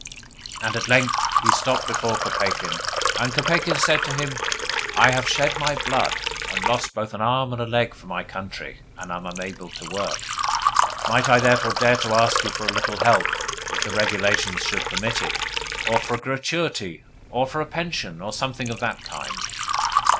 And at length he stopped before Kopeikin, and Kopeikin said to him: 'I have shed my blood, and lost both an arm and a leg, for my country, and am unable to work. Might I therefore dare to ask you for a little help, if the regulations should permit of it, or for a gratuity, or for a pension, or something of the kind?